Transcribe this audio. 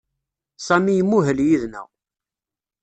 Sami imuhel yid-neɣ.